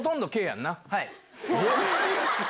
はい。